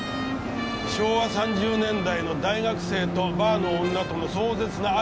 昭和３０年代の大学生とバーの女との壮絶な愛。